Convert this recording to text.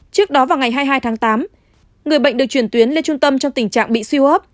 trước đó vào ngày hai mươi hai tháng tám người bệnh được truyền tuyến lên trung tâm trong tình trạng bị suy hốp